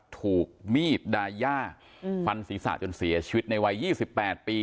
ถูกมีดดาย่าฟันศีรษะจนเสียชีวิตในวัย๒๘ปี